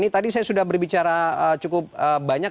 tadi saya sudah berbicara cukup banyak